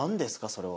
それは。